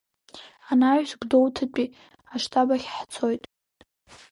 Анаҩс Гәдоуҭатәи аштаб ахь ҳцоит.